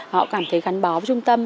họ cảm thấy gắn bó với trung tâm